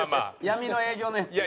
闇の営業。